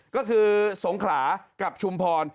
ก็คือสงขลากับชุมพร